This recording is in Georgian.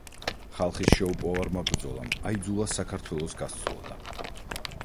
ხალხის შეუპოვარმა ბრძოლამ აიძულა საქართველოს გასცლოდა.